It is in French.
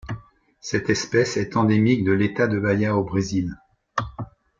Cette espèce est endémique de l'État de Bahia au Brésil.